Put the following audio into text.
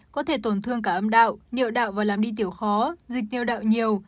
có thể tổn thương cả âm đạo niệu đạo và làm đi tiểu khó dịch niệu đạo nhiều